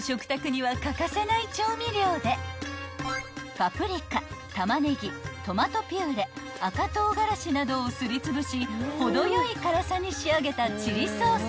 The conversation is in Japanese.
［パプリカタマネギトマトピューレ赤唐辛子などをすりつぶし程よい辛さに仕上げたチリソース］